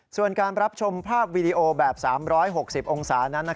ส่วนการรับชมภาพวีดีโอแบบ๓๖๐องศานั้น